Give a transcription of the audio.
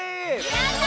やった！